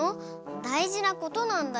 だいじなことなんだよ。